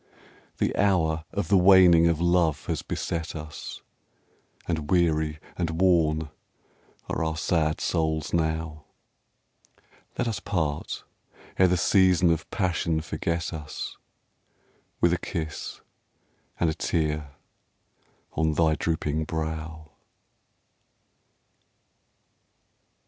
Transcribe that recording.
The hour of the waning of love has beset us, And weary and worn are our sad souls now; Let us part, ere the season of passion forget us, With a kiss and a tear on thy drooping brow.